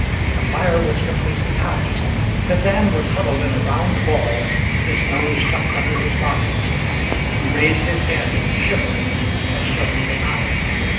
The fire was completely out. Kazan was huddled in a round ball, his nose tucked under his body. He raised his head, shivering, as Joan came out.